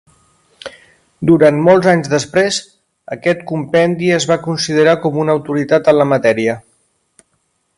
Durant molts anys després, aquest compendi es va considerar com una autoritat en la matèria.